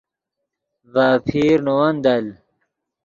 ڤے اپیر نے ون دل